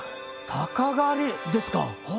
鷹狩りですか。